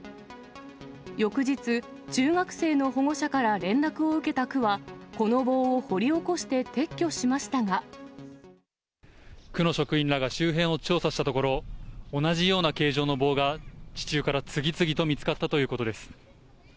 翌日、中学生の保護者から連絡を受けた区は、この棒を掘り起こして撤去区の職員らが周辺を調査したところ、同じような形状の棒が地中から次々と見つかったということです。